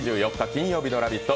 金曜日の「ラヴィット！」